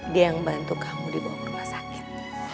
dia yang bantu kamu dibawa ke rumah sakit